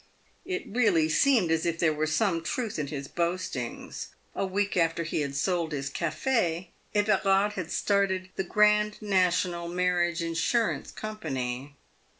It really seemed as if there were some truth in his boastings. A week after he had sold his caf6, Everard had started " the Grand National Marriage Insurance Company."